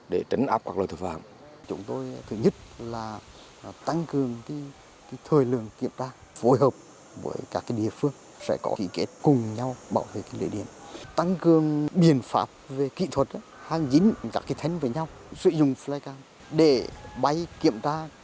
để tránh áp các loại tội phạm